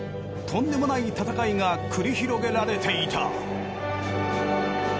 とんでもない戦いが繰り広げられていた。